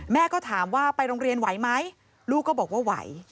แม่ก็ถามว่าไปโรงเรียนไหวไหมลูกก็บอกว่าไหว